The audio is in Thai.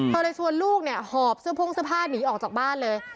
เลยชวนลูกเนี่ยหอบเสื้อโพ่งเสื้อผ้าหนีออกจากบ้านเลย